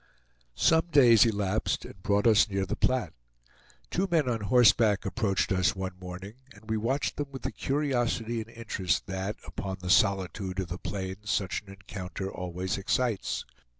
Some days elapsed, and brought us near the Platte. Two men on horseback approached us one morning, and we watched them with the curiosity and interest that, upon the solitude of the plains, such an encounter always excites.